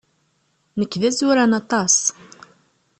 Nekk d azuran aṭas.